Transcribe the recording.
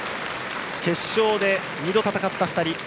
決勝で２度戦った２人。